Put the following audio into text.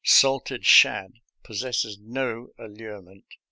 Salted shad pos sesses no allurement to me.